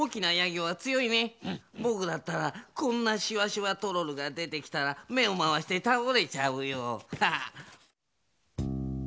ぼくだったらこんなしわしわトロルがでてきたらめをまわしてたおれちゃうよハハハ。